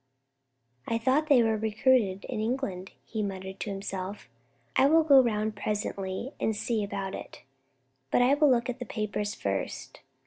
"I thought they were recruited in England," he muttered to himself. "I will go round presently and see about it, but I will look at the papers first.